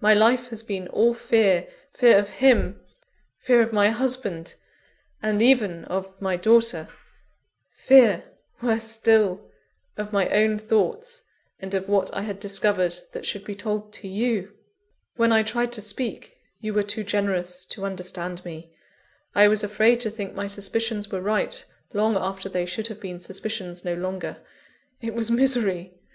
My life has been all fear fear of him; fear of my husband, and even of my daughter; fear, worse still, of my own thoughts, and of what I had discovered that should be told to you. When I tried to speak, you were too generous to understand me I was afraid to think my suspicions were right, long after they should have been suspicions no longer. It was misery!